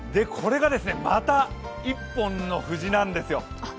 これがまた１本の藤なんですよ。